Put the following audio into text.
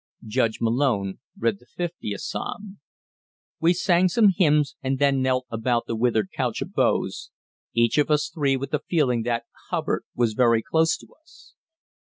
Judge Malone read the Fiftieth Psalm. We sang some hymns and then knelt about the withered couch of boughs, each of us three with the feeling that Hubbard was very close to us.